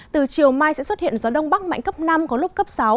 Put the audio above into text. từ chiều mai sẽ xuất hiện gió đông bắc mạnh cấp năm có lúc cấp sáu